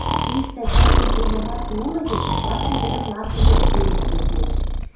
Иктӓ тӓнгӹн вуйнаматшы улы гӹнь, парти тӹдӹм ланзылен, суен кердеш.